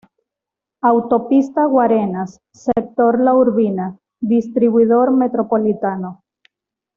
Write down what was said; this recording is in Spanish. Autopista Guarenas, Sector la Urbina, Distribuidor Metropolitano.